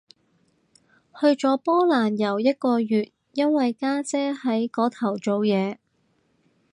去咗波蘭遊一個月，因為家姐喺嗰頭做嘢